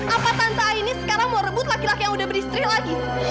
apa tante aini sekarang mau rebut laki laki yang udah beristri lagi